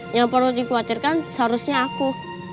yang perlu dikhawatirkan seharusnya aku